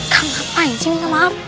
kak ngapain sih minta maaf